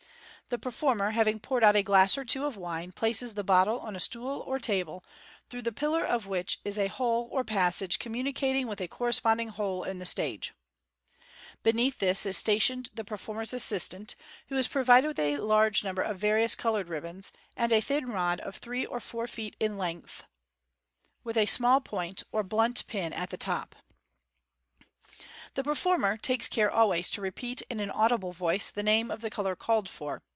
The performer, having poured out a glass or two of wine, places the bottle on a stool or table, through the pillar of which is a hole or pas sage communicating with a corresponding hole in the stage. Beneath Fig. 207. Fig. £o8. MODERN MAGIC. 377 this is stationed the performer's assistant, who is provided with 8 large number of various coloured ribbons, and a thin rod of three or four feet in length, with a small point or blunt pin at the top. The performer takes care always to repeat in an audible voice the name of the colour called for.